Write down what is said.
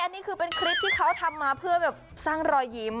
นี่คือเป็นคลิปที่เขาทำมาเพื่อแบบสร้างรอยยิ้ม